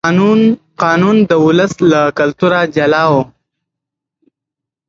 قانون د ولس له کلتوره جلا و.